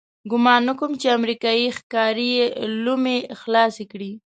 ګمان نه کوم چې امریکایي ښکاري یې لومې خلاصې کړي.